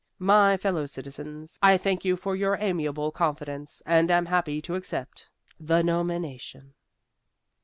"My fellow citizens, I thank you for your amiable confidence, and am happy to accept the nomination."